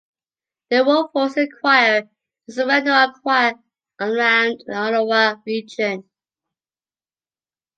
The World Voices Choir is a well known choir around the Ottawa region.